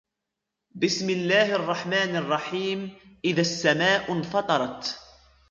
بِسْمِ اللَّهِ الرَّحْمَنِ الرَّحِيمِ إِذَا السَّمَاءُ انْفَطَرَتْ